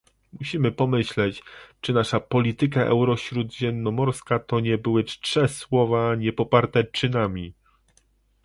Musimy pomyśleć, czy nasza polityka eurośródziemnomorska to nie były czcze słowa niepoparte czynami